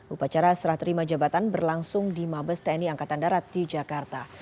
upacara serah terima jabatan berlangsung di mabes tni angkatan darat di jakarta